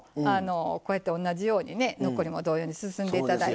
こうやって同じように残りも同様に包んで頂いて。